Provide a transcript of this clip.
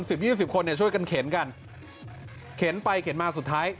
ยี่สิบคนเนี่ยช่วยกันเข็นกันเข็นไปเข็นมาสุดท้าย